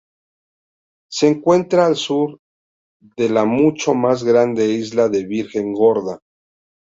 Se encuentra al sur de la mucho más grande isla de Virgen Gorda.